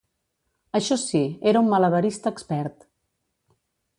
Això sí, era un malabarista expert.